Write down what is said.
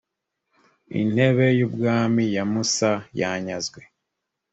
intebe y ubwami ya musa yanyazwe